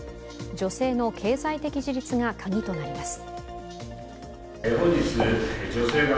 女性の経済的自立が鍵となります。